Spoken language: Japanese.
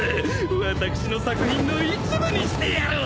私の作品の一部にしてやろう。